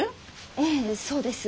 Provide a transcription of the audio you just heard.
ええそうです。